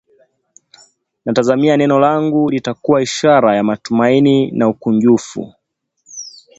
Natazamia neno langu litakuwa ishara ya matumaini na ukunjufu